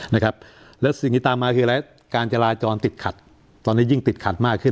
นะครับแล้วสิ่งที่ตามมาคืออะไรการจราจรติดขัดตอนนี้ยิ่งติดขัดมากขึ้น